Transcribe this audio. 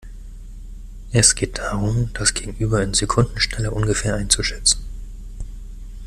Es geht darum, das Gegenüber in Sekundenschnelle ungefähr einzuschätzen.